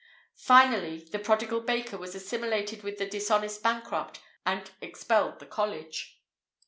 [IV 51] Finally, the prodigal baker was assimilated with the dishonest bankrupt, and expelled the college.